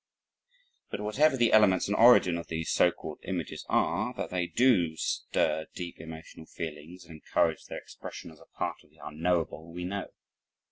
But whatever the elements and origin of these so called images are, that they DO stir deep emotional feelings and encourage their expression is a part of the unknowable we know.